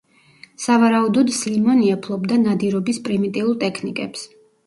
სავარაუდოდ სლიმონია ფლობდა ნადირობის პრიმიტიულ ტექნიკებს.